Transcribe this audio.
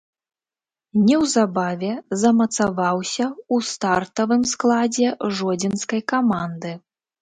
Неўзабаве замацаваўся ў стартавым складзе жодзінскай каманды.